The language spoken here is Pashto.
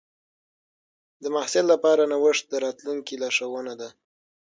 د محصل لپاره نوښت د راتلونکي لارښوونه ده.